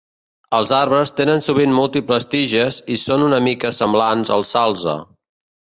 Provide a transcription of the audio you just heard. Els arbres tenen sovint múltiples tiges i són una mica semblants al salze.